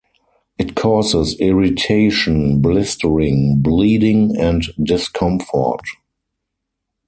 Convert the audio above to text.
It causes irritation, blistering, bleeding and discomfort.